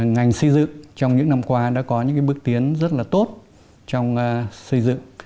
ngành xây dựng trong những năm qua đã có những bước tiến rất là tốt trong xây dựng